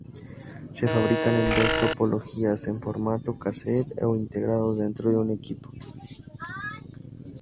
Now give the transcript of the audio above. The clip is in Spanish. Se fabrican en dos topologías: en formato "cassette" o integrados dentro de un equipo.